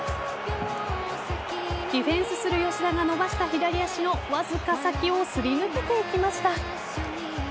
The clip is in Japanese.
ディフェンスする吉田が伸ばした左足の、わずか先をすり抜けて行きました。